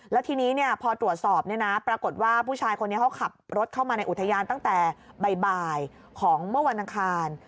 แล้วทีนี้พอตรวจสอบปรากฏว่าผู้ชายคนนี้เขาขับรถเข้ามาในอุทยานตั้งแต่บ่ายของเมื่อวันอังคาร